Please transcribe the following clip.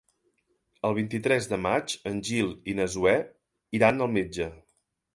El vint-i-tres de maig en Gil i na Zoè iran al metge.